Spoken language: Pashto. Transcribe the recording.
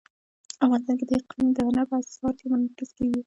افغانستان کې اقلیم د هنر په اثار کې منعکس کېږي.